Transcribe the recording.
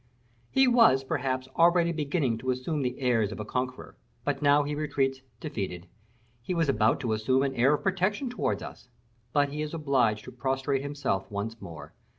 He was, perhaps, already beginning to assume the airs of a conqueror, but now he retreats defeated; he was about to assume an air of protection towards us, but he is obliged to prostrate himself once more.